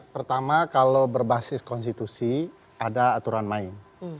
pertama kalau berbasis konstitusi ada aturan main